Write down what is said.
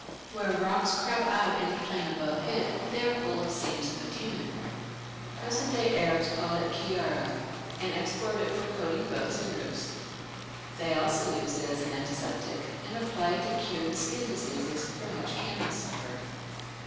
Where rocks crop out in the plain above Hit, they are full of seams of bitumen." Present day Arabs call it "kiyara", and export it for coating boats and roofs; they also use it as an antiseptic, and apply it to cure the skin diseases from which camels suffer.